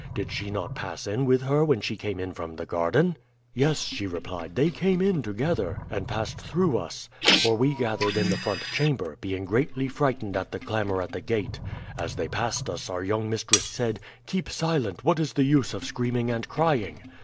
Did she not pass in with her when she came in from the garden?' "'Yes,' she replied, 'they came in together and passed through us; for we gathered in the front chamber, being greatly frightened at the clamor at the gate. As they passed us our young mistress said, 'Keep silent; what is the use of screaming and crying?''